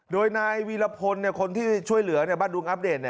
โดยนายวีรพลคนที่ช่วยเหลือบ้านดุงอัปเดต